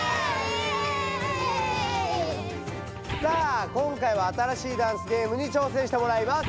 さあ今回はあたらしいダンスゲームに挑戦してもらいます。